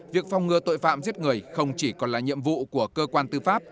việc phòng ngừa tội phạm giết người không chỉ còn là nhiệm vụ của cơ quan tư pháp